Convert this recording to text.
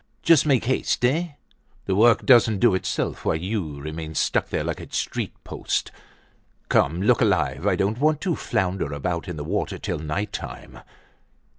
"Just make haste, eh? The work doesn't do itself while you remain stuck there like a street post. Come, look alive, I don't want to flounder about in the water till night time."